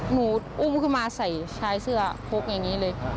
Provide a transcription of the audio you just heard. อุ้มขึ้นมาใส่ชายเสื้อพกอย่างนี้เลย